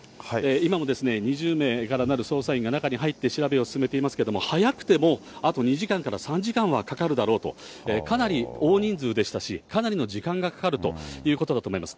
今もですね、２０名からなる捜査員が中に入って調べを進めていますけれども、早くてもあと２時間から３時間はかかるだろうと、かなり大人数でしたし、かなりの時間がかかるということだと思います。